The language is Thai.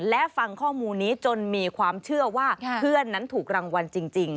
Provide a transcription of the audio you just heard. และฟังข้อมูลนี้จนมีความเชื่อว่าเพื่อนนั้นถูกรางวัลจริง